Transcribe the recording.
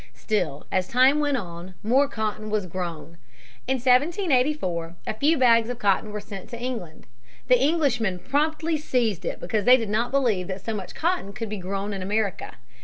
Still as time went on more cotton was grown. In 1784 a few bags of cotton were sent to England. The Englishmen promptly seized it because they did not believe that so much cotton could be grown in America.